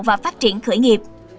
và phát triển khởi nghiệp